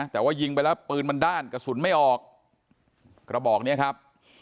แต่ว่ายิงไปแล้วปืนมันด้านกระสุนไม่ออกกระบอกเนี้ยครับ